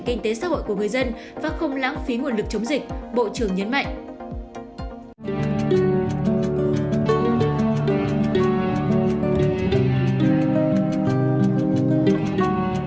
kinh tế xã hội của người dân và không lãng phí nguồn lực chống dịch bộ trưởng nhấn mạnh